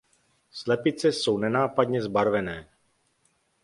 Slepice jsou nenápadně zbarvené.